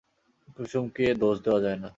কুসুমকে দোষ দেওয়া যায় না।